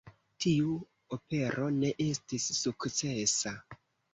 Tiu opero ne estis sukcesa.